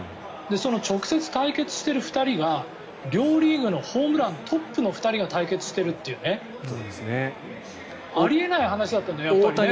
直接対決している２人が両リーグのホームラントップの２人が対決してるっていうねあり得ない話だったんだよねやっぱりね。